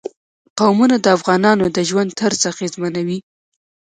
قومونه د افغانانو د ژوند طرز اغېزمنوي.